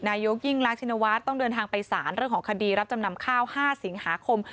นายกยิ่งรักชินวัฒน์ต้องเดินทางไปสารเรื่องของคดีรับจำนำข้าว๕สิงหาคม